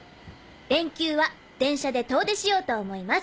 連休は電車で遠出しようと思います。